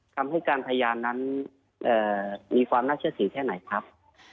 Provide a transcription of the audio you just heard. คำให้การพยานนั้นมีความน่าเชื่อถือแค่ไหนครับ